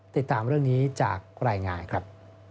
ติดตามเรื่องนี้จากรายงานครับ